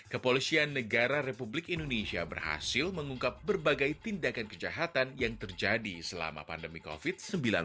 kepolisian negara republik indonesia berhasil mengungkap berbagai tindakan kejahatan yang terjadi selama pandemi covid sembilan belas